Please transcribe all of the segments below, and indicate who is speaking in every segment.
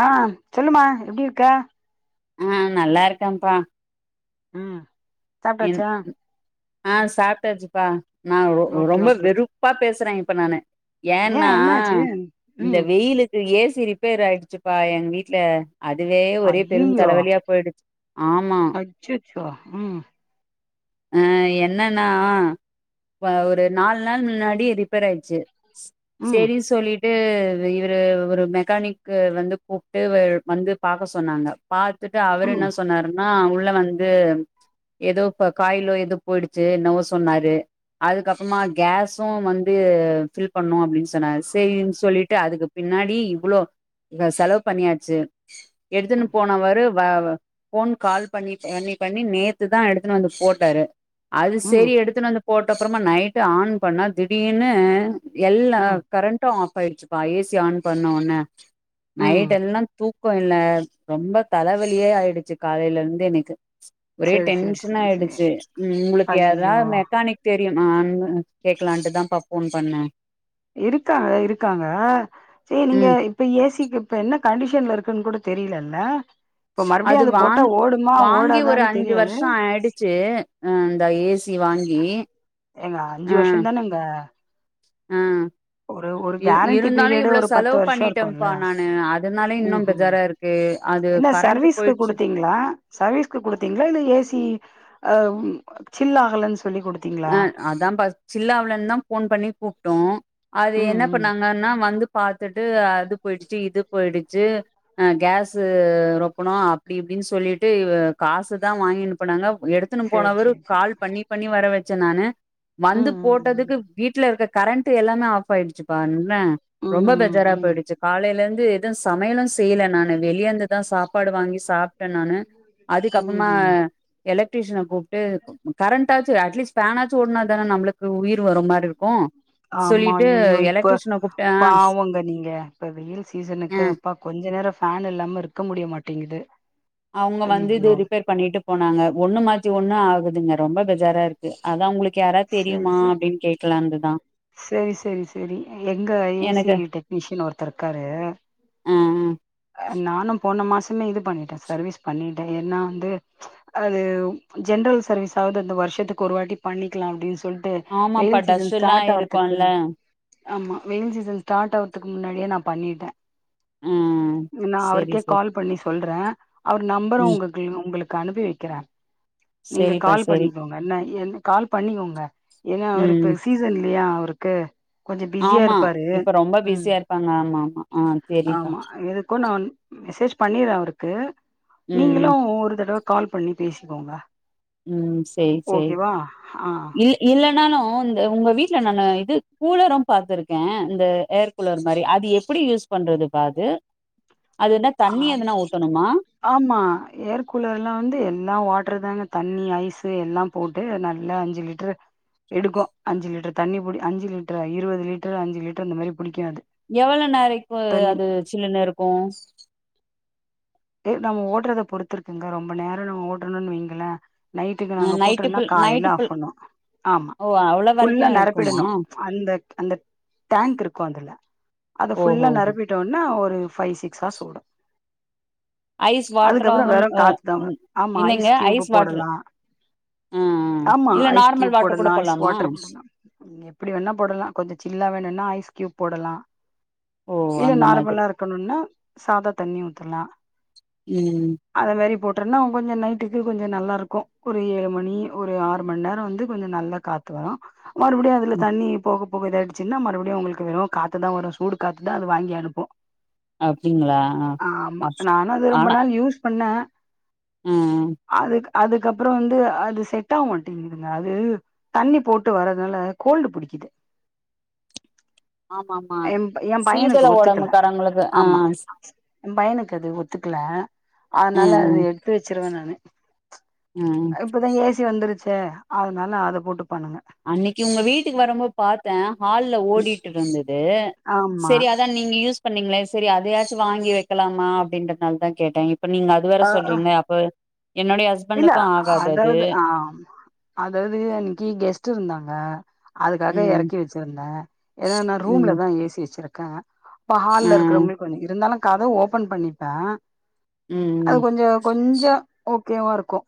Speaker 1: ஆ சொல்லும்மா எப்டி இருக்க
Speaker 2: ஆ நல்லா இருக்கேன்ப்பா
Speaker 1: ம்
Speaker 2: என்
Speaker 1: சாப்ட்டாச்சா
Speaker 2: ஆ சாப்ட்டாச்சுப்பா நா ரொ
Speaker 1: ஓகே
Speaker 2: ரொம்ப
Speaker 1: ஓகே
Speaker 2: வெறும் றுப்பா பேசுற இப்ப நானு
Speaker 1: ஏ
Speaker 2: ஏன்னா
Speaker 1: என்னாச்சு
Speaker 2: இந்த
Speaker 1: ம்
Speaker 2: வெயிலுக் கு ஏசி ரிப்பேர் ஆயிடுச்சுப்பா எங்க வீட்ல அதுவே ஒரே பெரும்
Speaker 1: ஐய்யய்யோ
Speaker 2: தலைவலியா போயிடுச் ஆமா
Speaker 1: அச்சச்சோ ம்
Speaker 2: ஆ என்னன்னா இப்ப ஒரு நாலு நாள் முன்னாடி ரிப்பேர் ஆயிடுச்சு
Speaker 1: ம்
Speaker 2: சேரி சொல்லிட் டு இவரு ஒரு மெக்கானிக்க வந்து கூப்ட்டு வ வந்து பாக்க சொன்னாங்க பாத் துட்டு அவரு என்ன
Speaker 1: ம்
Speaker 2: சொன்னாருன்னா உள்ள வந்து ஏதோ இப்ப காயிலோ எதோ போயிடுச்சு என்னவோ சொன்னாரு அதுக்கப்புறமா கேஸும் வந்து ஃபில் பண்ணு அப்டின்னு சொன்னாரு சேரின்னு சொல்லிட்டு அதுக்கு பின்னாடி இவ்ளோ ஆ செலவு பண்ணியாச்சு எடுத்துன்னு போனவரு வ ஃபோன் கால் பண்ணி பண்ணி பண்ணி நேத் துதா எடுத்துன்னு வந்து போட்டாரு அது
Speaker 1: ம்
Speaker 2: சேரி எடுத்துன்னு வந்து போட்டப்புறமா நைட்டு ஆன் பண்ணா திடீர்னு எல்லா
Speaker 1: ம்
Speaker 2: கரண்ட்டு ஆஃப் ஆய்ட்ச்சுப்பா ஏ சி ஆன் பண்ண ஒட்னே
Speaker 1: ம்
Speaker 2: நைட் எல்லா தூக் கோ இல்ல ரொம்ப தலவலியே ஆய்டுச்சு காலைலர்ந்து எனக்கு ஒரே
Speaker 1: செரி செரி செரி செரி
Speaker 2: டென்ஷனாயிடுச்சி உங்களுக்கு
Speaker 1: ஐய்யய்யோ
Speaker 2: எதாத் மெக்கானிக் தெரியுமான் கேக்கலான்ட்டுதாம்ப்பா ஃபோன் பண்ண
Speaker 1: இருக்காங்க இருக்காங்க சேர் நீங்க
Speaker 2: ம்
Speaker 1: இப்ப ஏ சி க்கு இப்ப என்ன கண்டிஷன்ல இருக்குன் கூட தெரிய்லல்ல
Speaker 2: அது வாங் வாங்கி ஒரு
Speaker 1: ஓடாதான்னு
Speaker 2: அஞ்சு
Speaker 1: தெரியாது
Speaker 2: வர்ஷோ ஆய்டுச்சு ம் இந்த ஏ சி வாங்கி
Speaker 1: ஏங்க அஞ்சு வர்ஷோ தானங்க
Speaker 2: ம் இரு
Speaker 1: கேரண்டி
Speaker 2: இருந்தாலு
Speaker 1: பீரியடு
Speaker 2: இவ்ளோ
Speaker 1: ஒரு பத்து
Speaker 2: செலவ்
Speaker 1: வருஷோ
Speaker 2: பண்ணிட்டம்ப்பா
Speaker 1: இருக்குல்ல
Speaker 2: நானு அதனாலே இன்னு
Speaker 1: ம் ம்
Speaker 2: பெஜாரா இருக் கு அது
Speaker 1: இல்ல
Speaker 2: கரண்ட்டு
Speaker 1: சர்வீஸ்க்கு
Speaker 2: போய்ட்ச்சு
Speaker 1: குடுத்தீங்களா சர்வீஸ்க்கு குடுத்தீங்ளா இல்ல ஏ சி அவ் சில்லாகலன் சொல்லி குடுத்
Speaker 2: அ அதாம்ப்பா சில்லாவலன்தா ஃபோன் பண்ணி கூப்டோ அது
Speaker 1: ம்
Speaker 2: என்ன
Speaker 1: ம்
Speaker 2: பண்ணாங்கன்னா வந்து பாத்துட்டு அது போயிடுச்சு இது போயிடுச்சு அ கேஸு ரொப்பனு அப்டி இப்டின் சொல்லிட்டு காசுதா வாங்கினு போனாங்க எடுத்துனு
Speaker 1: சேரி
Speaker 2: போனவரு
Speaker 1: சேரி சேரி
Speaker 2: கால் பண்ணி பண்ணி வர வெச்ச நானு வந்து
Speaker 1: ம்
Speaker 2: போட்டதுக்கு வீட்லருக்க கரண்ட்டு எல்லாமே ஆஃப் ஆயிடுச்சுப்பா என்ன
Speaker 1: ம்
Speaker 2: ரொம்ப
Speaker 1: ம்
Speaker 2: பேஜாரா
Speaker 1: ம்
Speaker 2: போயிடுச்சு காலைலர்ந்து சமையலு செய்யல நானு வெளியர்ந்துதா சாப்பாடு வாங்கி சாப் ட்ட நானு
Speaker 1: ம்
Speaker 2: அதுக்கப்பமா
Speaker 1: ம்
Speaker 2: எலக்ட்ரீஷன கூப்ட்டு கரண்ட்டாச்சி அட்லீஸ்ட் ஃபேனாச்சு ஓட்னா தான நம்ளுக்கு உயிர் வரு மாரிருக்கு
Speaker 1: ஆமா அய்யய்யோ இப்ப பாவங்க நீங்க இப்ப வெயில்
Speaker 2: ஆ
Speaker 1: சீசனுக்கு பா கொஞ்ச நேரோ ஃபேன் இல்லாம இருக்க முடியமாட்டிங்கிது
Speaker 2: அவுங்க வந்து இது ரிப்பேர் பண்ணிட்டு போனாங்க ஒன்னு மாத்தி ஒன்னு ஆகுதுங்க ரொம்ப பேஜாரா இருக் கு அதா உங்களுக்கு யாராத்
Speaker 1: சேரி
Speaker 2: தெரியுமா
Speaker 1: சேரி
Speaker 2: அப்டின் கேக்கலான்ட்டுதா
Speaker 1: சேரி சேரி சேரி எங்க ஏ சி
Speaker 2: எனக்கு
Speaker 1: டெக்னீஷியன் ஒருத்தர்ருக்காரு
Speaker 2: ஆ ஆ
Speaker 1: அ நானு போன மாசமே இது பண்ணிட்டே சர்வீஸ் பண்ணிட்டே ஏன்னா வந்து அது ஜென்ரல் சர்வீஸாவ்து அந்த வர்ஷத்துக்கு ஒரு வாட்டி பண்ணிக்கலா அப்டின் சொல் ட்டு
Speaker 2: ஆமாப்பா
Speaker 1: வெயில்
Speaker 2: டஸ்ட்
Speaker 1: சீசன்
Speaker 2: எல்லா
Speaker 1: ஸ்டாட் ஆவற்த்துக்கு
Speaker 2: இருக்கும்ல
Speaker 1: ஆமா வெயில் சீசன் ஸ்டாட் ஆவற்த்துக்கு முன்னாடியே நா பண்ணிட்டே
Speaker 2: ம்
Speaker 1: நா அவருக்கே கால் பண்ணி சொல்றே அவர் நம்பரு
Speaker 2: ம்
Speaker 1: உங்கக்கு உங்களுக்கு அனுப்பி வெக்கறே நீங்க
Speaker 2: செரிப்பா
Speaker 1: கால்
Speaker 2: செரி
Speaker 1: பண்ணிக்கோங்க என்ன என் கால் பண்ணிக்கோங்க ஏனா அவர்
Speaker 2: ம்
Speaker 1: இப்ப சீசன் இல்லியா அவுருக்கு
Speaker 2: ஆமா இப்ப ரொம்ப பிஸியாருப்பாங்க ஆமா ஆ செரிப்பா
Speaker 1: ஆமா எதுக்கு நா வந் மெசேஜ் பண்ணீர்றே அவுருக் கு
Speaker 2: ம்
Speaker 1: நீங்களு
Speaker 2: ம்
Speaker 1: ஒரு தடவ கால் பண்ணி பேசிக்கோங்க
Speaker 2: ம் சேரி சேரி
Speaker 1: ஓகேவா ஆ
Speaker 2: இ இல்லனாலு இந்த உங்க வீட்ல நானு இது கூலரு பாத்துருக்கே இந்த ஏர் கூலர் மாரி அது எப்பிடி யூஸ் பண்றதுப்பா அது என்ன தண்ணி
Speaker 1: அது
Speaker 2: எதுனா ஊத்தணுமா
Speaker 1: ஆமா ஏர் கூலர்ல வந்து எல்லா வாட்ரு தாங்க தண்ணி ஐஸு எல்லாம் போட்டு நல்லா அஞ்சு லிட்ரு எடுக்கு அஞ்சு லிட்ரு தண்ணி புடி அஞ்சு லிட்ரா இருவது லிட்ரு அஞ்சு லிட்ரு இந்த மாரி புடிக்கு அது
Speaker 2: எவ்வளோ நேரோ இப்போ
Speaker 1: தண்ணி
Speaker 2: அது சில்லுனுருக்கு
Speaker 1: து நம்ம ஓட்றத பொறுத்திருக்குங்க ரொம்ப நேரோ நம்ம ஓடுனொன் வைங்கள நைட்டுக்கு
Speaker 2: அ
Speaker 1: நாங்க
Speaker 2: நைட்டு
Speaker 1: போட்டோன்னா
Speaker 2: ஃபுல்
Speaker 1: காலேல
Speaker 2: நைட்டு
Speaker 1: ஆஃப்
Speaker 2: ஃபுல்
Speaker 1: பண்ணோ ஆமா
Speaker 2: ஓ அவ்ளோ வரைக்கு
Speaker 1: ஃபுல்லா
Speaker 2: இருக்குமா
Speaker 1: நெரப்பிடணு அந்த அந்த டேங்க் இருக்கு அதுல அத
Speaker 2: ஓஹோ
Speaker 1: ஃபுல்லா நெரப்பிட்டோன்னா ஒரு ஃபை சிக்ஸ் ஹார்ஸ் ஓடு
Speaker 2: ஐஸ்
Speaker 1: அதுக்கப்புறோ
Speaker 2: வாட்டராவும்
Speaker 1: வெறு
Speaker 2: அ
Speaker 1: காத்துதா வ
Speaker 2: ம்
Speaker 1: ஆமா
Speaker 2: இல்லைங்க
Speaker 1: ஐஸ் கியூபு
Speaker 2: வாட்ரு
Speaker 1: போடலா
Speaker 2: ஆ ஆ
Speaker 1: ஆமா
Speaker 2: இல்ல
Speaker 1: ஐஸ்
Speaker 2: நார்மல்
Speaker 1: கியூப்
Speaker 2: வாட்டர் கூட
Speaker 1: போடலா ஐஸ்
Speaker 2: போட்லாமா
Speaker 1: வாட்டர் போடலா எப்டி வேணா போடலா கொஞ்சோ சில்லா வேணுனா ஐஸ் கியூப் போடலா
Speaker 2: ஓ
Speaker 1: இல்ல
Speaker 2: அந்த மாதிரி
Speaker 1: நார்மலா இருக்கணுனா சாதா தண்ணி ஊத்தலா
Speaker 2: ம்
Speaker 1: அத மாரி போட்டனா கொஞ்ச நைட்டுக்கு கொஞ்ச நல்லா இருக்கு ஒரு ஏழு மணி ஒரு ஆறு மண்நேரோ வந்து கொஞ்சோ நல்லா காத்து வரு மறுபடியு அதுல
Speaker 2: ம்
Speaker 1: தண்ணி போக போக இத ஆய்டுச்சுன்னா மறுபுடியு உங்கள்க்கு வெறு காத்துதா வரு சூடு காத்துதா அது வாங்கி அனுப்பு
Speaker 2: அப்டிங்ளா அப்
Speaker 1: ஆனா அது ரொம்ப
Speaker 2: ஆனா
Speaker 1: நாள் யூஸ் பண்ண
Speaker 2: ஆ
Speaker 1: அதுக்க அதுக்கப்றோ வந்து அது செட்டாவ் மாட்டிங்கிதுங்க அது தண்ணி போட்டு வர்றதுனால கோல்டு புடிக்குது
Speaker 2: ஆமாம்மா
Speaker 1: எ எ
Speaker 2: சீதல
Speaker 1: பையனுக்கு
Speaker 2: ஓடம்பு காரங்ளுக்கு ஆ
Speaker 1: ன் பையனுக்கு அது ஒத்துக்குல
Speaker 2: ஆ
Speaker 1: அதுனால அது எடுத்து வச்சிருவே நானு
Speaker 2: ஆ
Speaker 1: இப்பதா ஏசி வந்துருச்சே அதுனால அத போட்டுப்போ நாங்க
Speaker 2: அன்னைக்கு உங்க வீட்டுக்கு வரமோது பாத்த ஹால்ல
Speaker 1: ம்
Speaker 2: ஓடிட்டிருந்தது
Speaker 1: ஆமா
Speaker 2: செரி அதா நீங்க யூஸ் பண்ணீங்ளே செரி அதயாச்சு வாங்கி வைக்கலாமா அப்டின்றத்னால்தா கேட்டே இப்ப நீங்க அது வேற
Speaker 1: அ அ
Speaker 2: சொல்றீங்ளே ப்ப என்னுடைய ஹஸ்
Speaker 1: இல்ல அதாவ்து ஆ அதாவ்து அன்னைக்கி கெஸ்ட் இருந்தாங்க அதுக்காக
Speaker 2: ம்
Speaker 1: எறக்கி வச்சிர்ந்த ஏனா நா ரூம்ல
Speaker 2: ம்
Speaker 1: தா ஏசி வச்சிருக்க அப்ப
Speaker 2: ஆ
Speaker 1: ஹால்ல இருக்குறவுங்ளு பண்ணி இருந்தாலு கதவ் ஓபன் பண்ணிப்ப
Speaker 2: ம்
Speaker 1: அது
Speaker 2: ம்
Speaker 1: கொஞ்சோ கொஞ்சோ கியூ இருக்கு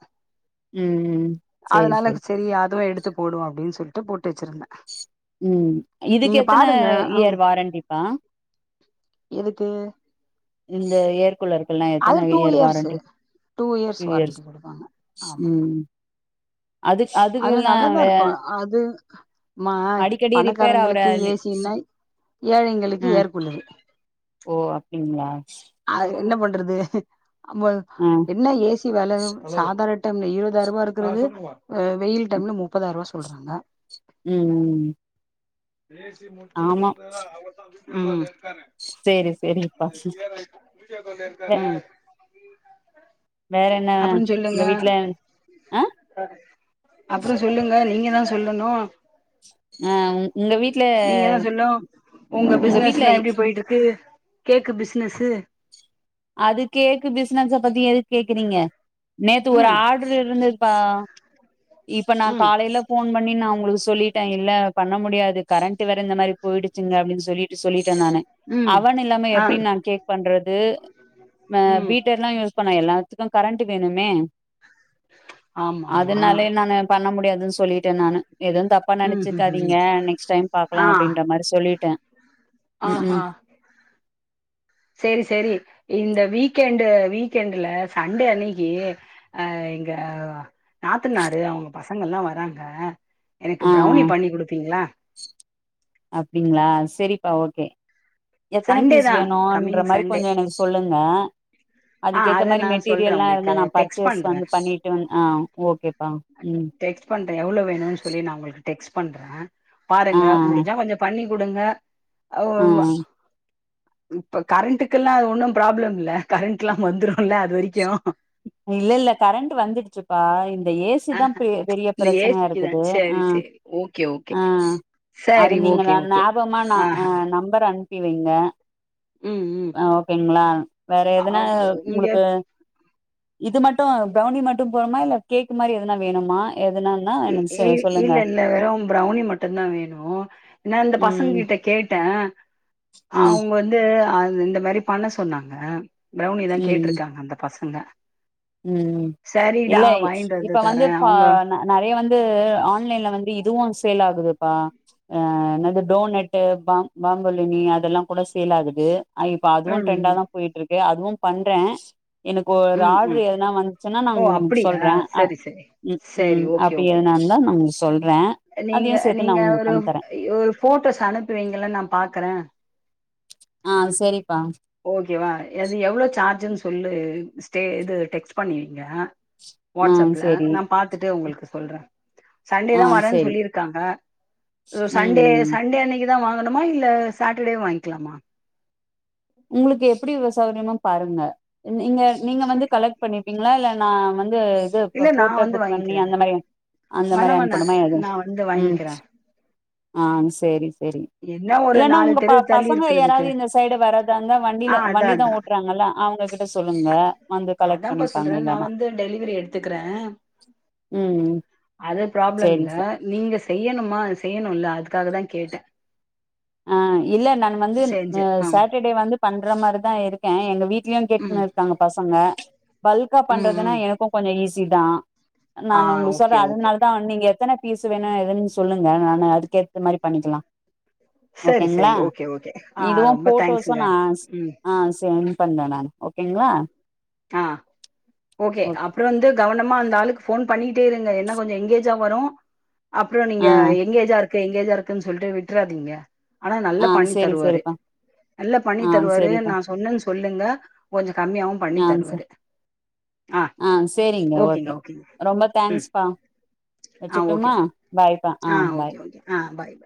Speaker 2: ம் ம் சேரி
Speaker 1: அதுனால
Speaker 2: சேரி
Speaker 1: செரி அதுவு எடுத்து போடுவோ அப்டின் சொல்ட்டு போட்டு வச்சிர்ந்த
Speaker 2: ம் இதுக்கு எத்தன
Speaker 1: ம்
Speaker 2: இயர் வாரண்டிப்பா
Speaker 1: எதுக்கு
Speaker 2: இந்த ஏர் கூலர்க்குலா
Speaker 1: அது
Speaker 2: எத்தன
Speaker 1: two
Speaker 2: year
Speaker 1: years
Speaker 2: warranty
Speaker 1: two years warranty குடுப்பாங்க ஆமா
Speaker 2: ம் அது
Speaker 1: அது
Speaker 2: அதுக்கெல்லா
Speaker 1: நல்லாதா இருக்கு அது மா
Speaker 2: அடிக்கடி ரிப்பேர் ஆவுற
Speaker 1: பணக்காரங்களுக்கு ஏசினா ஏழைங்களுக்கு
Speaker 2: ஆ
Speaker 1: ஏர் கூலரு
Speaker 2: ஓ அப்டிங்ளா
Speaker 1: அது என்ன பண்றது அபோ
Speaker 2: ம்
Speaker 1: என்ன ஏசி வெல சாதார டைம்ல இருவ்தாய்ர்ருபா இருக்குறது அ வெயில் டைம்ல மு ப்பதார்வா சொல்றாங்க
Speaker 2: ம் ம் ஆமா சேரி சேரிப்பா
Speaker 1: ம் ம்
Speaker 2: வேற என்ன எங்க வீட்ல ஆ
Speaker 1: அப்றோ சொல்லுங்க நீங்க தா சொல்லணு
Speaker 2: ஆ உங்க வீட்ல
Speaker 1: நீங்க தா சொல்லு உங்க பிசினஸ் எல்லா எப்டி போயிட்டு இருக்கு கேக்கு பிசினஸ்சு
Speaker 2: அது கேக்கு பிசினஸ் பத்தி எதுக்கு கேக்குறீங்க நேத்து ஒரு
Speaker 1: ம்
Speaker 2: ஆட் டறு இருந்ததுப்பா இப்ப நா
Speaker 1: ம்
Speaker 2: காலையில ஃபோன் பண்ணி நா அங்களுக்கு சொல்லிட்டே இல்ல பண்ண முடியாது கரண்ட்டு வேற இந்த மாரி போயிடுச்சுங்க அப்டின்னு சொல்லிட்டு சொல்லிட்டே நானே
Speaker 1: ம்
Speaker 2: அவன் இல்லாம
Speaker 1: ஆ
Speaker 2: எப்டி நா கேக் பண்றது ஆ நா
Speaker 1: ம்
Speaker 2: பீட்டர்லா யூஸ் பண்ண எல்லாத்துக்கு கரண்ட்டு வேணுமே
Speaker 1: ஆமாமா
Speaker 2: அதனாலயே நானு பண்ண முடியாதுன்னு சொல்லிட்டே நானு எதும் தப் தப்பா
Speaker 1: ம் ம் ம்
Speaker 2: நெனச்சிக்காதீங்க நெக்ஸ்ட் டைம் பாக்கலா
Speaker 1: ஆ
Speaker 2: அப்டின்ற மாரி சொல்லிட்டே ம்க்ம்
Speaker 1: செரி செரி இந்த வீக்கெண்டு் வீக்கெண்டுல சண்டே அன்னைக்கு ஆ எங்க நாத்தனாரு அவங்க பசங்கல்லா வராங்க எனக்கு
Speaker 2: ஆ ஆ
Speaker 1: ப்ரெளனி பண்ணி குடுப்பீங்களா
Speaker 2: அப்டிங்களா செரிப்பா ஓகே எத்தன
Speaker 1: சண்டே
Speaker 2: பீஸ்
Speaker 1: தா
Speaker 2: வேணுன்ற
Speaker 1: கம்மிங்
Speaker 2: மாரி
Speaker 1: சண்டே
Speaker 2: கொஞ்சோ எனக்கு சொல்லுங்க
Speaker 1: ஆ
Speaker 2: அதுக்கேத்த
Speaker 1: அத
Speaker 2: மாரி
Speaker 1: நா சொல்றே
Speaker 2: மெட்டீரியல்லா இருந்த
Speaker 1: உங்களுக்கு
Speaker 2: நா
Speaker 1: டெக்ஸ்ட்
Speaker 2: பர்ச்சேஸ்
Speaker 1: பண்றே
Speaker 2: வந்து பண்ணிட்டு ஆ ஓகேப்பா ம்
Speaker 1: [unintelligible] எவ்ளோ வேணுனு சொல்லி நா உங்களுக்கு டெக்ஸ்ட் பண்ற
Speaker 2: ஆ
Speaker 1: பாருங்க முடிஞ்சா கொஞ்சோ பண்ணி குடுங்க அ
Speaker 2: ஆ
Speaker 1: இப்ப கரண்ட்டுக்குல்லா அது ஒன்னு ப்ராப்ளம் இல்ல கரண்ட் எல்லா வந்துருல்ல அது வரைக்கு
Speaker 2: இல்ல இல்ல கரண்ட் வந்துடுச்சுப்பா இந்த ஏ சி
Speaker 1: ஆ
Speaker 2: தா பெ பெரிய
Speaker 1: இந்த
Speaker 2: பிரச்சனையா
Speaker 1: ஏசிக்குதா
Speaker 2: இருக்குது
Speaker 1: சேரி
Speaker 2: ஆ
Speaker 1: சேரி ஓகே ஓகே
Speaker 2: ஆ அது
Speaker 1: சரி
Speaker 2: நீங்க
Speaker 1: ஓகே
Speaker 2: ந
Speaker 1: ஓகே
Speaker 2: ஞாபகமா நா
Speaker 1: ஆஹா
Speaker 2: நம்பர் அ அனுப்பி வைங்க
Speaker 1: ம் ம்
Speaker 2: ஓகேங்ளா வேற எதுனா
Speaker 1: அவங்க இங்க
Speaker 2: உங்ளுக்கு இது மட்டு பிரௌனி மட்டு போதுமா இல்ல கேக் மாரி எதனா வேணுமா எதுனா
Speaker 1: இல்ல இல்ல வெறு பிரௌனி மட்டு தா வேணு ஏன்னா இந்த பசங்க
Speaker 2: ம்
Speaker 1: கிட்ட கேட்டே
Speaker 2: ஆ
Speaker 1: அவங்க வந்து ஆ இந்த மாரி பண்ண சொன்னாங்க பிரௌனி தா
Speaker 2: ம்
Speaker 1: கேட்டிருக்காங்க அந்த பசங்க
Speaker 2: ம்
Speaker 1: சரிடா
Speaker 2: இல்ல
Speaker 1: வாங்கிட்டு
Speaker 2: இப்ப வந்து
Speaker 1: தரே
Speaker 2: பா
Speaker 1: அவங்க
Speaker 2: நெறைய வந்து ஆன்லைன்ல வந்து இதுவு சேல் ஆகுதுப்பா ஆ என்னது டோனட்டு பா பாம்புலினி அதெல்லா கூட சேல் ஆகுது ஆ இப்ப அதுவு ட்ரெண்டா
Speaker 1: ம்
Speaker 2: தா போயிட்டு இருக்கு அதுவு பண்றே எனக்கு ஒரு
Speaker 1: ம்
Speaker 2: ஆள்
Speaker 1: ம்
Speaker 2: எதன வந்துச்சுன்னா நா
Speaker 1: ஓ அப்படியா
Speaker 2: சொல்றே
Speaker 1: சரி சரி சரி ஓகே
Speaker 2: அப்டி
Speaker 1: ஓகே
Speaker 2: எதன இருந்த நானு சொல்றே
Speaker 1: நீங்க
Speaker 2: அதையு சேத்து நா
Speaker 1: நீங்க
Speaker 2: உங்களுக்கு
Speaker 1: ஒரு
Speaker 2: பண்ணி தரே
Speaker 1: ஒரு போட்டோஸ் அனுப்பி வைங்களே நா பாக்குறே
Speaker 2: ஆ செரிப்பா
Speaker 1: ஓகேவா அது எவ்ளோ சார்ஜன்னு சொல்லு ஸ்டே இது டெக்ஸ் பண்ணிவைங்க
Speaker 2: ஆ
Speaker 1: வாட்ஸ்அப்ல
Speaker 2: செரி
Speaker 1: நா பாத்துட்டு உங்களுக்கு சொல்றே சண்டே
Speaker 2: ஆ
Speaker 1: தா வரேன்னு
Speaker 2: செரி
Speaker 1: இருக்காங்க
Speaker 2: ம்
Speaker 1: சண்டே
Speaker 2: ம்
Speaker 1: சண்டே அன்னைக்குதா வாங்கணுமா இல்ல சாட்டடேவே வாங்கிக்கலாமா
Speaker 2: உங்களுக்கு எப்டி சௌரியமோ பாருங்க நீங்க நீங்க வந்து
Speaker 1: சரி.
Speaker 2: கலெக் க்ட் பண்ணிப்பீங்களா இல்ல நா வந்து இது
Speaker 1: இல்ல நா
Speaker 2: போர்டர்
Speaker 1: வந்து
Speaker 2: புக் பண்ணி
Speaker 1: வாங்கிக்கிறே
Speaker 2: அந்த மாரி அந்த
Speaker 1: வேணா
Speaker 2: மாரி
Speaker 1: வேணா
Speaker 2: அனுப்பணுமே எது
Speaker 1: நா வந்து வாங்கிக்கிறே
Speaker 2: ஆ சேரி சேரி
Speaker 1: என்ன ஒரு
Speaker 2: இல்லனா
Speaker 1: நாலு
Speaker 2: உங்க
Speaker 1: தெரு தள்ளி
Speaker 2: பசங்க
Speaker 1: இருக்கிறதுக்கு
Speaker 2: யாராவது இந்த சைடு வர றாங்க
Speaker 1: ஆ
Speaker 2: வண்டியில
Speaker 1: அதா
Speaker 2: வண்டி தா
Speaker 1: அதா
Speaker 2: ஓட்டுறாங்கல்ல அவுங்ககிட்ட சொல்லுங்க வந்து கலெக்ட்
Speaker 1: அதான்பா
Speaker 2: பண்ணிப்பாங்க
Speaker 1: சொல்றே நா
Speaker 2: இல்லன்னா
Speaker 1: வந்து டெலிவரி எடுத்துக்குறே
Speaker 2: ம்
Speaker 1: அது ப்ராப்ளம்
Speaker 2: சேரி
Speaker 1: இல்ல
Speaker 2: சார்
Speaker 1: நீங்க செய்யணுமா செய்யணுல்ல அதுக்காக தா கேட்டேன்
Speaker 2: ஆ இல்ல நானு வந்து
Speaker 1: செஞ்சு ஆ
Speaker 2: சேட்டர்டே வந்து பண்ற மாரிதா இருக்கே எங்க வீட்லயு
Speaker 1: ம்
Speaker 2: கேட்டுன்னு இருக்காங்க பசங்க பல்க்கா
Speaker 1: ம்
Speaker 2: பண்றதுன்னா
Speaker 1: ம்
Speaker 2: எனக்கும் கொஞ்சோ ஈஸி தா
Speaker 1: ஆ
Speaker 2: நானு உங்களுக்கு சொல்றே
Speaker 1: ஓகே ஓகே
Speaker 2: அதனால தான் நீங்க எத்தன பீஸ் வேணும் எதுன்னு சொல்லுங்க நானு அதுக்கேத்த மாரி பண்ணிக்கலா
Speaker 1: சரி
Speaker 2: ஓகேங்களா
Speaker 1: சரி ஓகே ஓகே ஆ
Speaker 2: இதுவு
Speaker 1: ரொம்ப
Speaker 2: போட்டோஸும்
Speaker 1: தேங்க்ஸுங்க
Speaker 2: நா
Speaker 1: ம்
Speaker 2: ஆ சென்ட் பண்ற நானு ஓகேங்களா
Speaker 1: ஆ ஓகே
Speaker 2: ஓக்
Speaker 1: அப்புறம் வந்து கவனமா அந்த ஆளுக்கு ஃபோன் பண்ணிட்டே இருங்க என்ன கொஞ்சோ எங்கேஜா வரும் அப்புறோ நீங்க
Speaker 2: ஆ
Speaker 1: எங்கேஜா இருக்கு எங்கேஜா இருக்குன்னு சொல்லிட்டு விட்டுறாதீங்க ஆனா நல்லா
Speaker 2: ஆ
Speaker 1: பண்ணி
Speaker 2: செரி
Speaker 1: தருவாரு
Speaker 2: செரிப்பா
Speaker 1: நல்லா பண்ணி
Speaker 2: ஆ
Speaker 1: தருவாரு
Speaker 2: செரிப்பா
Speaker 1: நா சொன்னேன்னு சொல்லுங்க கொஞ்சம் கம்மியாவு பண்ணி
Speaker 2: ஆ செ
Speaker 1: தருவாரு
Speaker 2: ஆ சேரிங்க
Speaker 1: ஓகேங்க
Speaker 2: ஓகே
Speaker 1: ஓகேங்க
Speaker 2: ரொம்ப
Speaker 1: ம்
Speaker 2: தேங்க்ஸ்ப்பா
Speaker 1: ஆ
Speaker 2: வச்சுட்டுமா
Speaker 1: ஓகேம்மா
Speaker 2: பாய்
Speaker 1: ஆ ஓகே ஓகே ஆ பாய்